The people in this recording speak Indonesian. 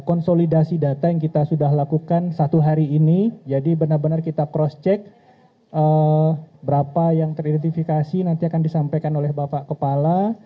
konsolidasi data yang kita sudah lakukan satu hari ini jadi benar benar kita cross check berapa yang teridentifikasi nanti akan disampaikan oleh bapak kepala